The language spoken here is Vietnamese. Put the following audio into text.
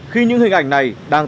khi những hình ảnh này đang